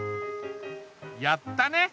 やったね！